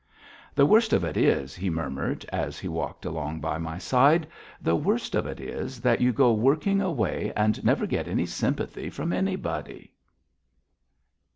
"The worst of it is," he murmured as he walked along by my side, "the worst of it is that you go working away and never get any sympathy from anybody."